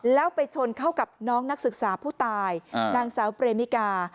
แล้วไปชนเข้ากับน้องนักศึกษาผู้ตายนางสาวเปรมิกา